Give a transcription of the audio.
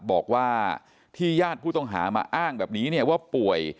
บอกว่าที่ญาติผู้ต้องหามาอ้างแบบนี้เนี่ยว่าป่วย